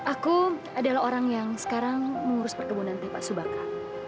aku adalah orang yang sekarang mengurus perkebunan teh subaka